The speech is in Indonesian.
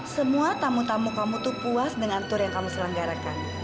semua tamu tamu kamu tuh puas dengan tur yang kamu selenggarakan